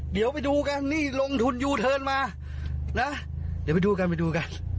เดี๋ยวไปดูกันนี่ลงทุนยูเทิร์นมานะเดี๋ยวไปดูกันไปดูกัน